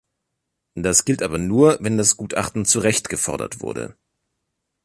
Das gilt aber nur, wenn das Gutachten zu Recht gefordert wurde.